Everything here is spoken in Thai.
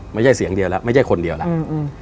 ไม่ใช่เสียงเดียวแล้วไม่ใช่คนเดียวแล้วอืม